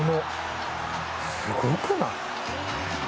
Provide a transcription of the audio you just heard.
すごくない？